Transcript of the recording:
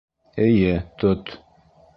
Эйе, тот!